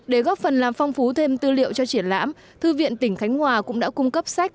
để góp phần làm phong phú thêm tư liệu cho triển lãm thư viện tỉnh khánh hòa cũng đã cung cấp sách